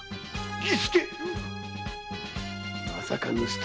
儀助